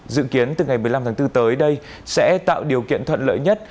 dự kiến từ ngày một mươi năm tháng bốn tới đây sẽ tạo điều kiện thuận lợi nhất